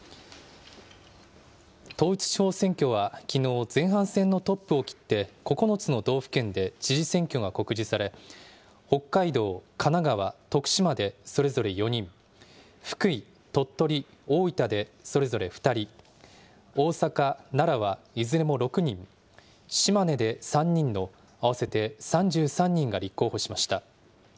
統一地方選挙はきのう、前半戦のトップを切って、９つの道府県で知事選挙が告示され、北海道、神奈川、徳島でそれぞれ４人、福井、鳥取、大分でそれぞれ２人、大阪、奈良はいずれも６人、島根で３人の合わせて３３人が立候補しました。